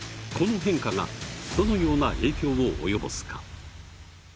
この変化がどのような影響を及ぼすか。